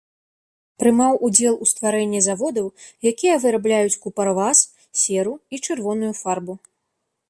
Прымаў удзел у стварэнні заводаў, якія вырабляюць купарвас, серу і чырвоную фарбу.